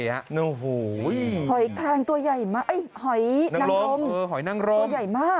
โอ้โหหอยนังรมตัวใหญ่มาก